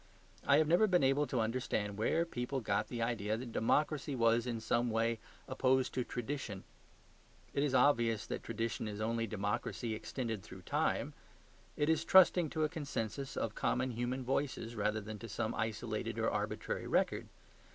I have never been able to understand where people got the idea that democracy was in some way opposed to tradition. It is obvious that tradition is only democracy extended through time. It is trusting to a consensus of common human voices rather than to some isolated or arbitrary record.